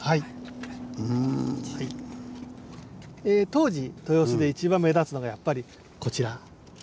当時豊洲で一番目立つのがやっぱりこちら。